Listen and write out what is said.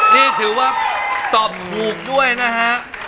นี่ถือว่าตอบถูกด้วยนะฮะ